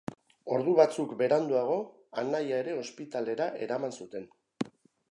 Ordu batzuk beranduago anaia ere ospitalera eraman zuten.